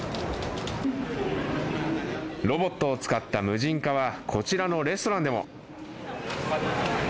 ロボットを使った無人化はこちらのレストランでも。